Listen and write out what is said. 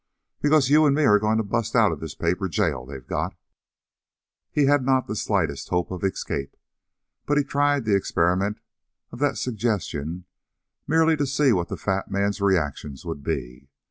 "Because you and me are going to bust out of this paper jail they got!" He had not the slightest hope of escape. But he tried the experiment of that suggestion merely to see what the fat man's reaction would be.